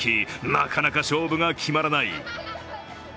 なかなか勝負が決まらない。